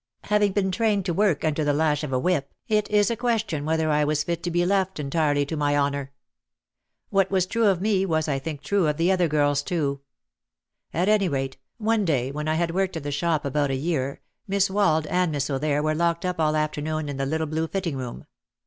Having been trained to work under the lash of a whip, it is a question whether I was fit to be left entirely to my honour. What was true of me was I think true of the other girls too. OUT OF THE SHADOW 283 At any rate, one day when I had worked at the shop about a year, Miss Wald and Miss OThere were locked up all afternoon in the little blue fitting room.